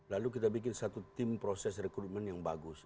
lalu kita bikin satu tim proses rekrutmen yang bagus